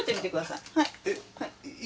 はい。